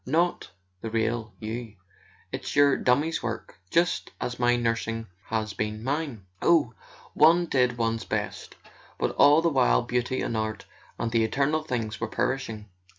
"Not the real you. It's your dummy's work—just as my nursing has been mine. Oh, one did one's best— but all the while beauty and art and the eternal things were perishing!